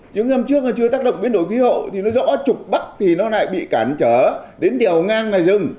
thì nó rõ trục bắc thì nó lại bị cản trở đến đèo ngang là dừng